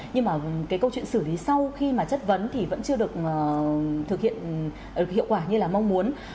nhưng mà cái câu chuyện xử lý sau khi mà chất vấn thì vẫn chưa được thực hiện hiệu quả như là mong muốn